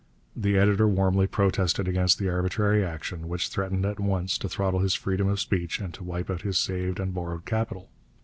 The editor warmly protested against the arbitrary action, which threatened at once to throttle his freedom of speech and to wipe out his saved and borrowed capital.